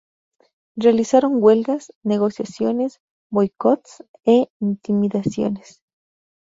Realizaron huelgas, negociaciones, boicots e intimidaciones.